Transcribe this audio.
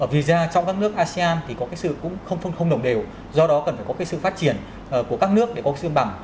vì ra trong các nước asean thì có cái sự cũng không đồng đều do đó cần phải có cái sự phát triển của các nước để có cân bằng